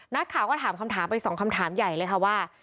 นักข่าวก็ถามคำถามไปสองคำถามใหญ่เลยค่ะว่า